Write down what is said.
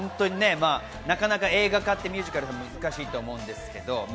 映画化ってミュージカルは難しいと思うんですけど。